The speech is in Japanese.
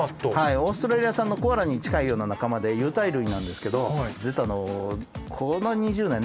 オーストラリア産のコアラに近いような仲間で有袋類なんですけど。